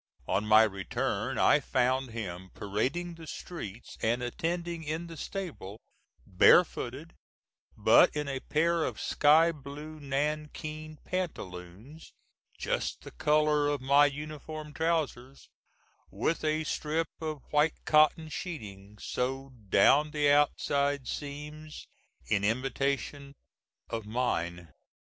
On my return I found him parading the streets, and attending in the stable, barefooted, but in a pair of sky blue nankeen pantaloons just the color of my uniform trousers with a strip of white cotton sheeting sewed down the outside seams in imitation of mine.